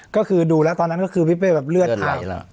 ก็คือดูแล้วตอนนั้นก็คือพี่เป้แบบเลือดไทย